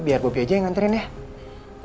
biar bobby aja yang nganterin ya